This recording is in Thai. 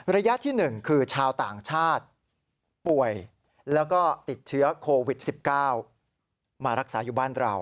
ระยะที่๑คือชาวต่างชาติป่วยแล้วก็ติดเชื้อโควิด๑๙มารักษาอยู่บ้านเรา